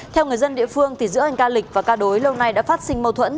theo người dân địa phương giữa anh ca lịch và ca đối lâu nay đã phát sinh mâu thuẫn